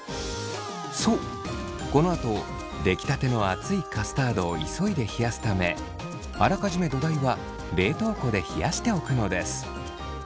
そうこのあと出来たての熱いカスタードを急いで冷やすためあらかじめ土台は冷凍庫で冷やしておくのです。